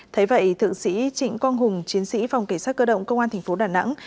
thế vậy thượng sĩ trịnh quang hùng chiến sĩ phòng cảnh sát cơ động công an thành phố đà nẵng